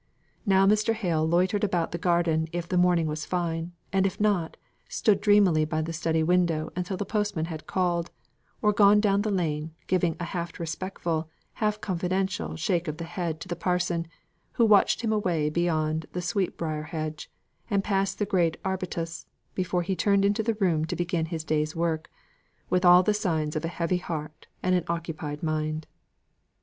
Now Mr. Hale loitered about the garden if the morning was fine, and if not, stood dreamily by the study window until the postman had called, or gone down the lane, giving a half respectful, half confidential shake of the head to the parson, who watched him away from the sweet briar hedge, and past the great arbutus, before he turned into the room to begin his day's work, with all the signs of a heavy heart and an occupied mind.